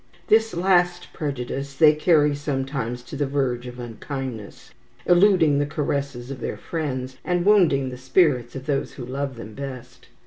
This last prejudice they carry sometimes to the verge of unkindness, eluding the caresses of their friends, and wounding the spirits of those who love them best.